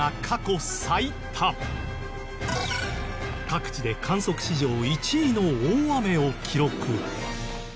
各地で観測史上１位の大雨を記録。